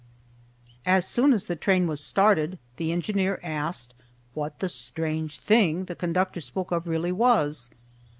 As soon as the train was started, the engineer asked what the "strange thing" the conductor spoke of really was.